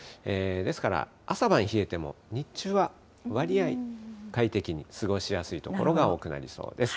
ですから、朝晩冷えても日中は上着いらず、快適に、過ごしやすい所が多そうです。